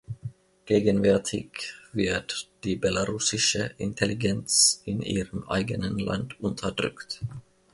Gegenwärtig wird die belarussische Intelligenz in ihrem eigenen Land unterdrückt.